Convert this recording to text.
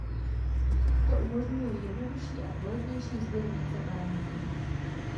To umožňuje jednodušší a kvalitnější sběr více parametrů.